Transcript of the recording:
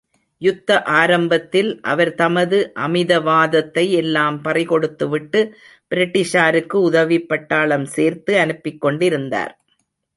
யுத்த ஆரம்பத்தில் அவர் தமது அமிதவாதத்தை எல்லாம் பறிகொடுத்துவிட்டு, பிரிட்டிஷாருக்கு உதவிப் பட்டாளம் சேர்த்து அனுப்பிக் கொண்டிருந்தார்.